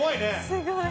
すごい。